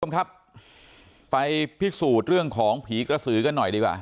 คุณผู้ชมครับไปพิสูจน์เรื่องของผีกระสือกันหน่อยดีกว่า